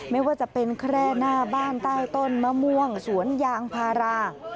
ไม่ว่าจะเป็นแค่หน้าบ้านใต้ต้นมะม่วงสวนยางพารา